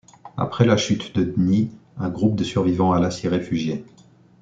Après la Chute de D'ni, un groupe de survivant alla s'y réfugié.